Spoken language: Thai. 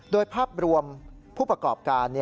โดยภาพรวมผู้ประกอบการ